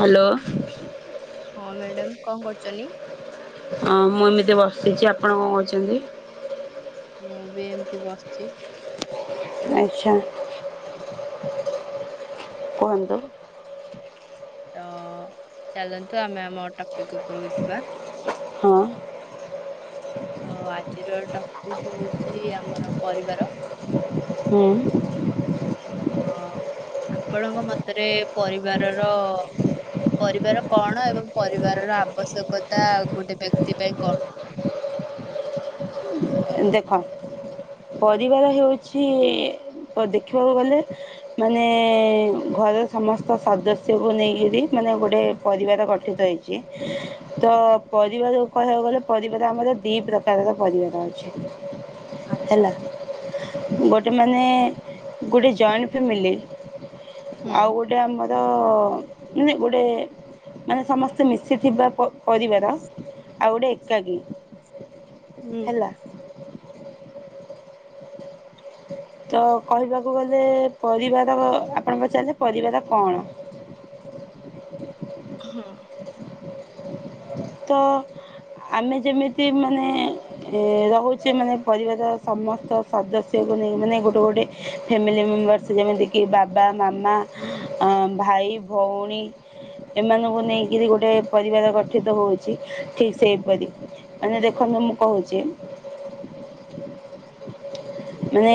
Hello. ହଁ madam କଣ କରୁଚନି? ହଁ ମୁଁ ଏମିତି ବସିଚି, ଆପଣ କଣ କରୁଛନ୍ତି? ମୁଁ ବି ଏମତି ବସିଛି। ଆଚ୍ଛା କୁହନ୍ତୁ। ତ ଚାଲନ୍ତୁ ଆମେ ଆମ ଟପିକ୍ ଉପରକୁ ଯିବା ହଁ। ତ ଆଜିର ଟପିକ୍ ହଉଚି ଆମର ପରିବାର। ହୁଁ। ତ ଆପଣଙ୍କ ମତରେ ପରିବାରର ପରିବାର କଣ ଏବଂ ପରିବାରର ଆବଶ୍ୟକତା ଗୋଟେ ବେକ୍ତି ପାଇଁ କଣ? ଦେଖ ପରିବାର ହେଉଚି କ ଦେଖିବାକୁ ଗଲେ ମାନେ ଘରର ସମସ୍ତ ସଦସ୍ୟକୁ ନେଇକିରି ମାନେ ଗୋଟେ ପରିବାର ଗଠିତ ହେଇ ଚି ତ ପରିବାର କହିବାକୁ ଗଲେ ପରିବାର ଆମର ଦି ପ୍ରକାରର ପରିବାର ଅଛି। ଆଚ୍ଛା ହେଲା। ଗୋଟେ ମାନେ ଗୋଟେ ଜଏଣ୍ଟ୍ ଫ୍ୟାମିଲି ହୁଁ ଆଉ ଗୋଟେ ଆମ ତ ମାନେ ଗୁଡେ ମାନେ ସମସ୍ତେ ମିଶିଥିବା ପ ପରିବାର ଆଉ ଗୋଟେ ଏକାକି ହୁଁ। ହେଲା। ତ କହିବାକୁ ଗଲେ ପରିବାର ଆପଣ ପଚାରିଲେ ପରିବାର କଣ। ହୁଁ। ତ ଆମେ ଯେମିତି ମାନେ ଏ ରହୁଚେ ମାନେ ପରିବାରର ସମସ୍ତ ସଦସ୍ୟକୁ ନେଇ ମାନେ ଗୋଟେ ଗୋଟେ ଫ୍ୟାମିଲି ମେମ୍ବର୍ସ ଯେମିତିକି ବାବା ମାମା ଆ ଭାଇ, ଭଉଣୀ ଏମାନଙ୍କୁ ନେଇକିରି ଗୋଟେ ପରିବାର ଗଠିତ ହଉ ଚି ଠିକ୍ ସେଇପରି ମାନେ ଦେଖନ୍ତୁ ମୁଁ କହୁଛି ମାନେ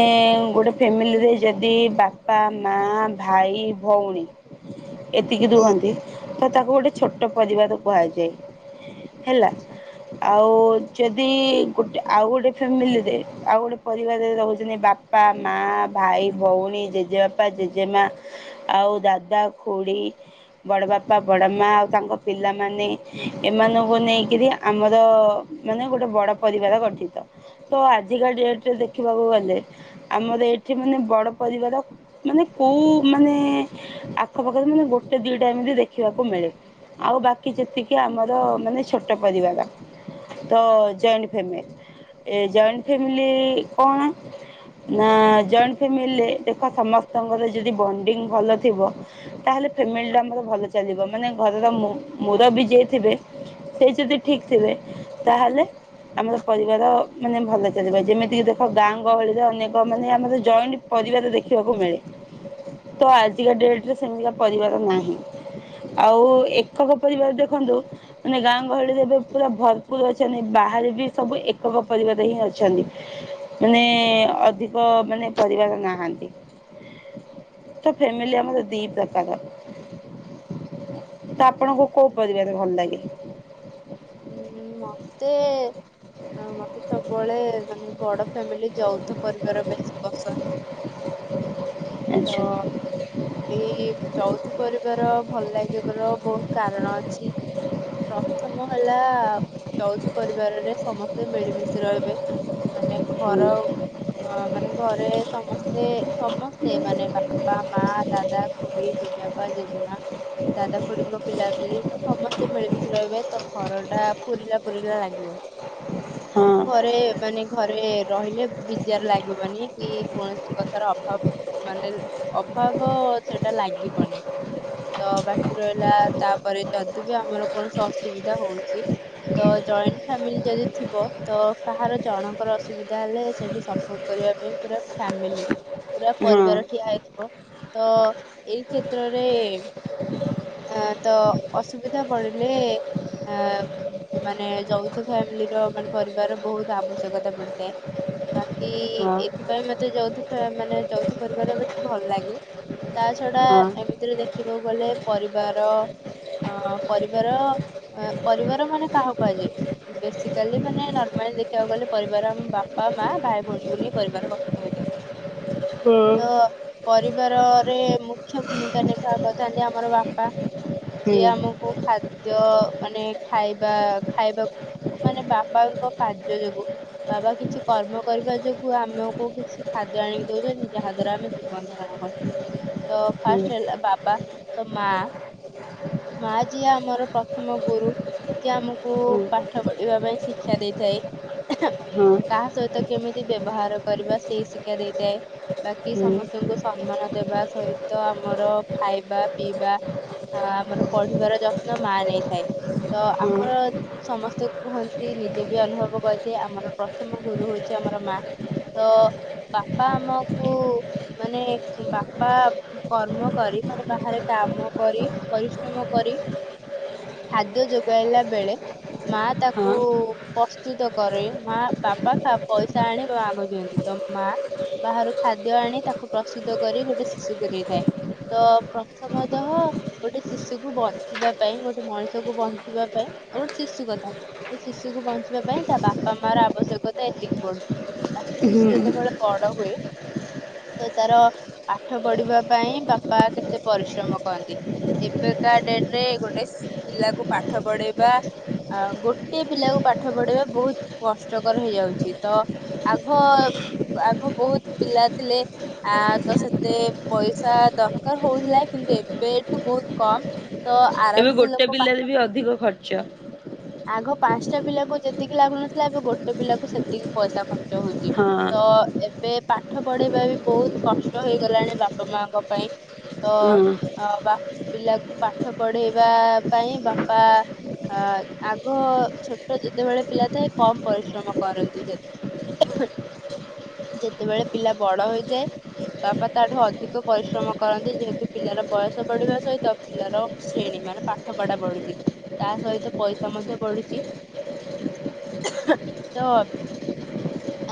ଗୋଟେ ଫ୍ୟାମିଲିରେ ଯଦି ବାପା, ମା ଭାଇ, ଭଉଣୀ ଏତିକି ହୁଁ ଦୁହନ୍ତି ତ ତାକୁ ଗୋଟେ ଛୋଟ ପରିବାର କୁହାଯାଏ। ହେଲା। ଆଚ୍ଛା ଆଉ ଯଦି ଗୁଟେ ଆଉ ଗୋଟେ ଫ୍ୟାମିଲିରେ ଆଉ ଗୋଟେ ପରିବା ରେ ରହୁଛନ୍ତି ବାପା, ମା, ଭାଇ, ଭଉଣୀ, ଜେଜେବାପା ଜେଜେ ମା। ଆଉ ଦାଦା, ଖୁଡ଼ି, ବଡ଼ ବାପା, ବଡ଼ ମା ଆଉ ତାଙ୍କ ପିଲାମାନେ। ଏମାନଙ୍କୁ ନେଇକିରି ଆମର ମାନେ ଗୋଟେ ବଡ ପରିବାର ଗଠିତ। ତ ଆଜିକା ଡେଟ୍ ରେ ଦେଖିବାକୁ ଗଲେ ଆମର ଏଇଠି ମାନେ ବଡ ପରିବାର ମାନେ କଉ ମାନେ ଆଖପାଖରେ ମାନେ ଗୋଟେ ଦିଟା ଏମିତି ଦେଖିବାକୁ ମିଳେ। ଆଉ ବାକି ଯେତିକି ଆମର ମାନେ ଛୋଟ ପରିବାର। ତ ଜଣ୍ଟେ ଫାମିଲ୍ ଏ ଜଏଣ୍ଟ୍ ଫାମିଲି କଣ? ନା ଜଏଣ୍ଟ୍ ଫ୍ୟାମିଲ୍ ରେ ଦେଖ ସମସ୍ତଙ୍କର ଯଦି ବଣ୍ଡିଙ୍ଗ୍ ଭଲ ଥିବ ତାହେଲେ ଫେମିଲ୍ ଟା ଆମର ଭଲ ଚାଲିବ ମାନେ ଘରର ମୁ ମୁରବି ଯିଏ ଥିବେ ସେଇ ଯଦି ଠିକ୍ ଥିବେ ତାହେଲେ ଆମର ପରିବାର ମାନେ ଭଲ ଚାଲିବ ଯେମିତିକି ଦେ ଖ ଗାଁ ଗହଳିରେ ଅନେକ ମାନେ ଆମର ଜଏଣ୍ଟ୍ ପରିବାର ଦେଖିବାକୁ ମିଳେ ତ ଆ ଜିକା ଡେଟ୍ ରେ ସେମିତିକା ପରିବାର ନାହିଁ ଆଉ ଏକକ ପରିବାର ଦେଖନ୍ତୁ ମାନେ ଗାଁ ଗହଳିରେ ଏବେ ପୁରା ଭର୍ପୁର୍ ଅଛନ୍ତି ବାହାରେ ବି ସବୁ ଏକକ ପରିବାର ହିଁ ଅଛନ୍ତି। ମାନେ ଅଧିକ ମାନେ ପରିବାର ନାହାନ୍ତି। ତ ଫେମିଲି ଆମ ଦି ପ୍ରକାର। ତ ଆପଣଙ୍କୁ କଉ ପରିବାର ଭଲ୍ ଲାଗେ? ହୁଁ ମତେ ମତେ ସବୁବେଳେ ମାନେ ବଡ ଫ୍ୟାମିଲି ଯୌଥ ପରିବାର ବେଶୀ ପସନ୍ଦ୍ ତ ଆଚ୍ଛା ଏଇ ଯୌଥ ପରିବାର ଭଲ୍ ଲାଗିବାର ବହୁତ୍ କାରଣ ଅଛି। ପ୍ରଥ ମ ହେଲା ଯୌଥ ପରିବାରରେ ସମସ୍ତେ ମିଳିମିଶି ରହିବେ। ମାନେ ହୁଁ ଘର ହଁ, ମାନେ ଘରେ ସମସ୍ତେ-ସମସ୍ତେ ମାନେ ବାପା, ମା, ଦାଦା ଖୁଡି, ଜେଜେଆପା, ଜେଜେମା, ଦାଦା ଖୁଡିଙ୍କ ପିଲାପିଲି ତ ସମସ୍ତେ ମିଳିମିଶି ରହିବେ। ତ ଘରଟା ପୁରିଲା-ପୁୁରିଲା ଲାଗିବ। ହଁ। ଘରେ ମାନେ ଘରେ ରହିଲେ [unintelligible] ଲାଗିବନି କି କୌଣସି କଥାର ଅଭାବ ମାନେ ଅଭାବ ସେଟା ଲାଗିବନି। ତ ବାକି ରହିଲା ତାପରେ ଯଦି ବି ଆମର କୌଣସି ଅସୁବିଧା ହଉଚି ତ ଜଏଣ୍ଟ ଫ୍ୟାମିଲି ଯଦି ଥିବ ତ କାହାର ଜଣଙ୍କର ଅସୁବିଧା ହେଲେ ସେଠି ସପୋର୍ଟ କରିବା ପାଇଁ ପୁରା ଫାମିଲି ପୁରା ହଁ ପରିବାର ଠିଆ ହେଇଥିବ, ତ ଏଇ କ୍ଷେତ୍ରରେ [unintelligible] ତ ଅସୁବିଧା ପଡିଲେ ଆ ମାନେ ଯୌଥ ଫ୍ୟାମିଲିର ମାନେ ପରିବାର ବହୁତ୍ ଆବଶ୍ୟକତା ପଡିଥାଏ। ବାକି ହଁ ଏଥିପାଇଁ ମତେ ଯୌଥ ଫ୍ୟା ମାନେ ଯୌଥ ପରିବାର ବେଶୀ ଭଲ୍ ଲାଗେ। ତା ଛଡା ହଁ। ଏମିତିରେ ଦେଖିବାକୁ ଗଲେ ପରିବାର [unintelligible] ପରିବାର [unintelligible] ପରିବାର ମାନେ କାହାକୁ କୁହାଯାଏ? ବେସିକାଲି ମାନେ ନର୍ମାଲି ଦେଖିବାକୁ ଗଲେ ପରିବାର ଆମ ବାପା, ମା, ଭାଇ, ଭଉଣୀକୁ ନେଇ ପରିବାର ଗଠନ ତ ହୁଁ ପରିବାରରେ ମୁଖ୍ୟ ଭୂମିକା ନିର୍ବାହ କରିଥାନ୍ତି ଆମର ବାପା। ଯିଏ ଆମକୁ ଖାଦ୍ୟ ମାନେ ଖାଇବା ଖାଇବାକୁ ମାନେ ବାବାଙ୍କ କାର୍ଯ୍ୟ ଯୋଗୁ ବାବା କିଛି କର୍ମ କରିବା ଯୋଗୁ ଆମକୁ କିଛି ଖାଦ୍ୟ ଆଣିକି ଦଉଚନ୍ତି, ଯାହା ଦ୍ୱାରା ଆମେ ଜୀବନ ଧାରଣ କରୁଚୁ। ତ ହୁଁ ଫାଷ୍ଟ ହେଲା ବାବା, ତ ମା-ମା ଯିଏ ଆମର ପ୍ର ଥମ ଗୁରୁ ଯିଏ ଆମକୁ ହୁଁ ପାଠ ପଢିବା ପାଇଁ ଶିକ୍ଷା ଦେଇଥାଏ। ହଁ କାହା ସହିତ କେମିତି ବ୍ୟବହାର କରିବା ସେଇ ଶିକ୍ଷା ଦେଇଥାଏ। ବାକି ହୁଁ ସମସ୍ତଙ୍କୁ ସମ୍ମାନ ଦେବା ସହିତ ଆମର ଖାଇବା ପିଇବା [unintelligible] ଆମର ପଢିବାର ଯତ୍ନ ମା ନେଇଥାଏ, ତ ହଁ। ଆମର ସମସ୍ତେ କୁହନ୍ତି ନିଜେ ବି ଅନୁଭବ କରିଚି ଆମର ପ୍ରଥମ ଗୁରୁ ହଉଚି ଆମର ମା। ତ ବାପା ଆମକୁ ମାନେ ବାପା କର୍ମ କରି ମାନେ ବାହାରେ କାମ କରି ପରିଶ୍ରମ କରି ଖାଦ୍ୟ ଯୋଗାଇଲା ବେଳେ ମା ହଁ ତାକୁ ପସ୍ତୁତ କରେ, ମା ବାପା ତା ପଇସା ଆଣି ମାକୁ ଦିଅନ୍ତି ତ ମା ବାହାରୁ ଖାଦ୍ୟ ଆଣି ତାକୁ ପ୍ରସ୍ତୁତ କରି ଗୋଟେ ଶିଶୁକୁ ଦେଇଥାଏ। ତ ପ୍ରଥମଦଃ ଗୋଟେ ଶିଶୁକୁ ବଞ୍ଚିବା ପାଇଁ ଗୋ ଗୋଟେ ମଣିଷ କୁ ବଞ୍ଚିବା ପାଇଁ ଆଉ ଗୋଟେ ଶିଶୁ କଥା ସେ ଶିଶୁକୁ ବଞ୍ଚିବା ପାଇଁ ତା ବାପା ମା ର ଆବଶ୍ୟକତା ଏତିକି ପଡୁଚି, ବାକି ଶିଶୁ ହୁଁ ଯେତେବେଳେ ବଡ ହୁଏ ତ ତାର ପାଠ ପଢିବା ପାଇଁ ବାପା କେତେ ପରିଶ୍ରମ କରନ୍ତି। ଏବେକା ଡେଟ୍ ରେ ଗୋଟେ ପିଲାକୁ ପାଠ ପଢେଇବା ଆ ଗୋଟିଏ ପିଲାକୁ ପାଠ ପଢେଇବା ବହୁତ୍ କଷ୍ଟକର ହେଇଯାଉଚି, ତ ଆଘ-ଆଘ ବହୁତ୍ ପିଲା ଥିଲେ। ଆ ତ ସେତେ ପଇସା ଦରକାର୍ ହଉଥିଲା କିନ୍ତୁ ଏବେଠୁ ବହୁତ୍ କମ୍ ତ ଆରାମସେ ଲୋ ପିଲାବେଳେ ବି ଅଧିକ ଖର୍ଚ୍ଚ। ଆଘ ପାଞ୍ଚଟା ପିଲାକୁ ଯେତିକି ଲାଗୁନଥିଲା ଏବେ ଗୋଟେ ପିଲାକୁ ସେତିକି ପଇସା ଖର୍ଚ୍ଚ ହଉଛି ହଁ ତ ଏବେ ପାଠ ପଢେଇବା ବି ବହୁତ୍ କଷ୍ଟ ହେଇଗଲାଣି ବାପା ମାଙ୍କ ପାଇଁ। ହଁ ତ ବା ପିଲାକୁ ପାଠ ପଢେଇବା ପାଇଁ ବାପା ଆ ଆଗ ଛୋଟ ଯେତେବେଳେ ପିଲା ଥାଏ କମ୍ ପରିଶ୍ରମ କରନ୍ତି ଯେତ ଯେତେବେଳେ ପିଲା ବଡ଼ ହେଇଯାଏ ବାପା ତା ଠୁ ଅଧିକ ପରିଶ୍ରମ କରନ୍ତି ଯେହେତୁ ପିଲାର ବୟସ ବଢିବା ସହିତ ପିଲାର ଶ୍ରେଣୀ ମାନେ ପାଠ ପଢ଼ା ବଢୁଛି ତା ସହିତ ପଇସା ମଧ୍ୟ ବଢୁଛି। ତ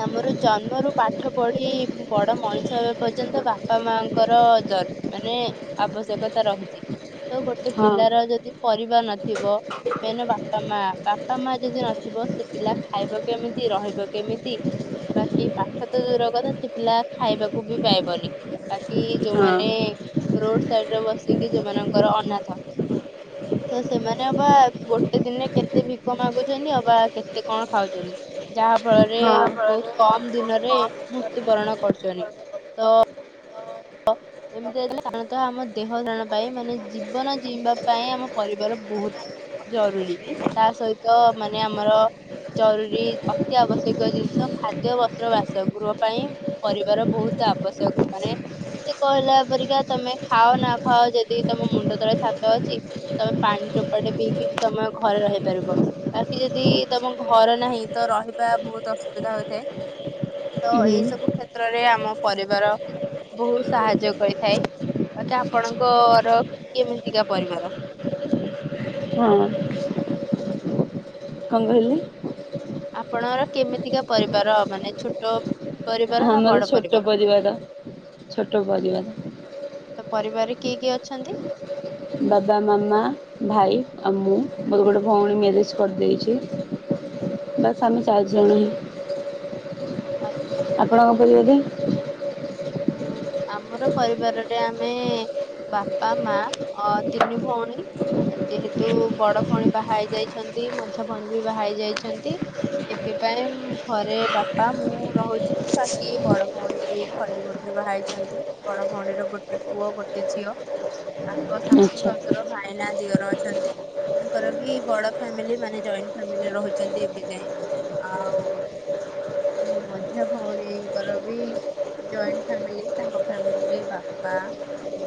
ଆମର ଜନ୍ମରୁୁ ପାଠ ପଢି ବଡ ମଣିଷ ହେବା ପର୍ଯ୍ୟନ୍ତ ବାପା ମାଙ୍କର ଜ ମାନେ ଆବଶ୍ୟକତା ରହିଛି ତ ଗୋଟେ ହଁ ପିଲାର ଯଦି ପରିବାର ନଥିବ ମେନ୍ ବାପା ମା ବାପା ମା ଯଦି ନଥିବ ସେ ପିଲା ଖାଇବ କେମିତି ରହିବ କେମିତି ବାକି ପାଠ ତ ଦୂର କଥା ସେ ପିଲା ଖାଇବାକୁ ବି ପାଇବନି। ବାକି ଯୋଉମାନେ ହଁ। ରୋଡ ସାଇଡ଼ରେ ବସିକି ଯୋଉମାନଙ୍କର ଅନାଥ ତ ସେମାନେ ଅବା ଗୋଟେ ଦିନରେ କେତେ ଭିକ ମାଗୁଛନ୍ତି ଅବା କେତେ କଣ ଖାଉଛନ୍ତି। ଯାହା ଫଳରେ ହଁ ହୁଁ ବହୁତ୍ କମ ଦିନରେ ମୃତ୍ୟୁବରଣ କରୁଛନ୍ତି ତ ଅ ଏମିତି ହେଇଥିଲେ ସାଧାରଣତଃ ଆମ ଦେହ ଧାରଣ ପାଇଁ ମାନେ ଜୀବନ ଜିଇବା ପାଇଁ ଆମ ପରିବାର ବହୁତ୍ ଜରୁରୀ ତା ସହିତ ମାନେ ଆମର ଜରୁରୀ ଅତି ଆବଶ୍ୟକ ଜିନିଷ ଖାଦ୍ୟ, ବସ୍ତ୍ର, ବାସ ଗୃହ ପାଇଁ ପରିବାର ବହୁତ୍ ଆବଶ୍ୟକ ମାନେ କେ କହିଲା ପରିକା ତମେ ଖାଅ ନା ଖାଅ ଯଦି ତମ ମୁଣ୍ଡ ତଳେ ଛାତ ଅଛି ତମେ ପାଣି ଟୋପାଟେ ପିଇକି ବି ତମ ଘରେ ରହିପାରିବ। ବାକି ଯଦି ତମ ଘର ନାହିଁ ତ ରହିବା ବହୁତ୍ ଅସୁବିଧା ହୋଇଥାଏ। ତ ଏଇ ସବୁ କ୍ଷେତ୍ରରେ ଆମ ପରିବାର ବହୁତ୍ ସାହାଯ୍ୟ କରିଥାଏ ବାକି ଆପଣଙ୍କର କେମିତିକା ପରିବାର? ହଁ। କଣ କହିଲେ? ଆପଣର କେମିତିକା ପରିବାର ମାନେ ଛୋଟ? ପରିବାର ନା ଆମର ବଡ ଛୋଟ ପରିବାର ଛୋଟ ପରିବାର। ତ ପରିବାରରେ କିଏ କିଏ ଅଛନ୍ତି? ବାବା ମାମା ଭାଇ ଆଉ ମୁଁ ମୋର ଗୋଟେ ଭଉଣୀ ମ୍ୟାରେଜ କରିଦେଇଛି। ବାସ୍ ଆମେ ଚାରିଜଣ ହିଁ। ଆଚ୍ଛା। ଆପଣଙ୍କ [unintelligible] ହୁଁ ଆମର ପରିବାରରେ ଆମେ ବାପା ମା ଅ ତିନି ଭଉଣୀ ଯେହେତୁ ବଡ ଭଉଣୀ ବାହାହେଇ ଯାଇଛନ୍ତି ମଝା ଭଉଣୀ ବି ବାହାହେଇ ଯାଇଛନ୍ତି। ଏବେ ପାଇଁ ଘରେ ବାପା ମୁଁ ରହୁଛିୁ ବାକି ବଡ ଭଉଣୀ ଖଲିକୋଟ ରେ ବାହାଇଛନ୍ତି ବଡ ଭଉଣୀର ଗୋଟେ ପୁଅ ଗୋଟେ ଝିଅ ତାଙ୍କ ଶାଶୁ ଆଚ୍ଛା ଶଶୁର ଭାଇନା ଦିଅର ଅଛନ୍ତି। ତାଙ୍କର ବି ବଡ ଫ୍ୟାମିଲି ମାନେ ଜଏଣ୍ଟ ଫ୍ୟାମିଲି ରହୁଚନ୍ତି ଏବେ ଯାଏଁ। ଆଉ ଆମ ମଝିଆ ଭଉଣୀଙ୍କର ବି। ଜଏଣ୍ଟ ଫାମିଲି ତାଙ୍କ ଫ୍ୟାମିଲିରେ ବାପା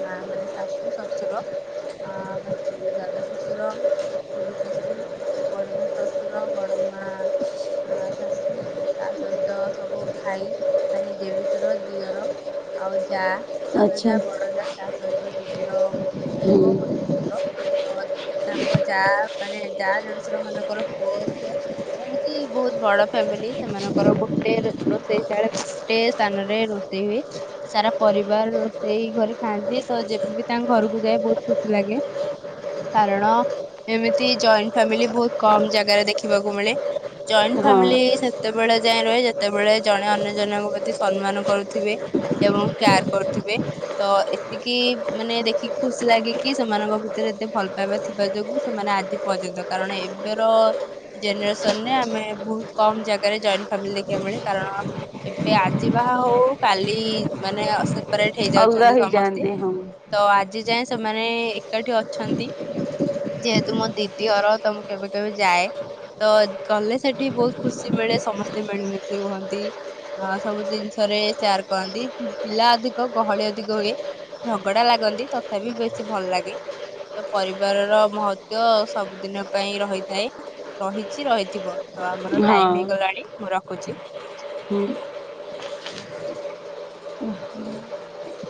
ମା ମାନେ ଶାଶୁ ଶଶୁର। ଆ ବାଏ ଦାଦା ଶଶୁର। ଖୁଢୀ ଶାଶୁ ବଡମା ଶଶୁର ବଡ ମା। ଆ ଶାଶୁ ତା ସହିତ ସବୁ ଭାଇ ମାନେ ଦେଢ ଶଶୁର ଦିଅର ଆଉ ଯା ସାନ ଆଚ୍ଛା। ଯା ବଡ ଯା ତା ସହିତ ଦିଦିର ଗୋଟେ। ହୁଁ ପୁଅ ଗୋଟେ ଝିଅ। ତ ତାଙ୍କ ଯା ମାନେ ଯା ଦେଢଶୁର ମାନଙ୍କର ପୁଅ ଝିଅ। ଏମିତି ବହୁତ ବଡ ଫ୍ୟାମିଲି ସେମାନଙ୍କର ଗୋଟେ ରୋଷେଇ ଶାଳେ ଗୋଟେ। ସ୍ଥାନରେ ରୋଷେଇ ହୁଏ। ସାରା ପରିବାର ସେଇ ଘରେ ଖାଆନ୍ତି ତ ଯେବେବି ତାଙ୍କ ଘରକୁ ଯାଏ ବହୁତ୍ ଖୁସି ଲାଗେ। କାରଣ ଏମିତି ଜଏଣ୍ଟ ଫାମିଲି ବହୁତ କମ ଜାଗାରେ ଦେଖିବାକୁ ମିଳେ। ଜଏଣ୍ଟ୍ ହଁ ଫ୍ୟାମିଲି ସେତେବେଳେ ଯାଇଏଁ ରହେ ଯେତେବେଳେ ଜଣେ ଅନ୍ୟ ଜଣଙ୍କୁ ପ୍ର କି ସମ୍ମାନ କରୁଥୁବେ ଏବଂ କ୍ୟାୟାର୍ କରୁଥୁବେ। ତ ଏତିକି ମାନେ ଦେଖିକି ଖୁସି ଲାଗେ କିି ସେମାନଙ୍କ ଭିତରେ ଏତେ ଭଲ ପାଇବା ଥିବା ଯୋଗୁଁ ସେମାନେ ଆଜି ପର୍ଯ୍ୟନ୍ତ କାରଣ ଏବେର ଜେନେରେସନରେ ଆମେ ବହୁତ୍ କମ୍ ଜାଗାରେ ଜଏଣ୍ଟ୍ ଫାମିଲି ଦେଖିବାକୁ ମିଳେ କାରଣ। ଏ ଆଜି ବାହାହଉ ହଉ କାଲି ମାନେ ଅ ସେପାରେଟ୍ ହେଇ ଅଲଗା ଯାଉଛନ୍ତି ସମସ୍ତେ। ହେଇଯାଆନ୍ତି ହଁ ତ ଆଜି ଯାଏଁ ସେମାନେ ଏକାଠି ଅଛନ୍ତି। ଯେହେତୁ ମୋ ଦିଦି ହର ତ ମୁଁ କେବେ କେବେ ଯାଏ। ତ ଗଲେ ସେଠି ବହୁତ ଖୁସି ମିଳେ ସମସ୍ତେ ମିଳିମିଶି ରୁହନ୍ତି। ଅଁ ସବୁ ଜିନିଷରେ ସେୟାର କରନ୍ତି ପିଲା ଅଧିକ ଗହଳି ଅଧିକ ହୁଏ। ଝଗଡା ଲାଗନ୍ତି ତଥାପି ବେଶୀ ଭଲ ଲାଗେ। ତ ପରିବାରର ମହତ୍ୱ ସବୁଦିନ ପାଇଁ ରହିଥାଏ। ରହିଚି ରହିଥିବ ତ ଆମର ହଁ। ଟାଇମ୍ ହେଇଗଲାଣି ମୁଁ ରଖୁଛି। ହୁଁ